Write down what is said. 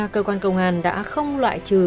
cơ quan công an đã không loại trừ